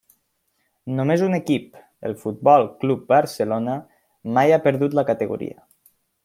Només un equip, el Futbol Club Barcelona, mai ha perdut la categoria.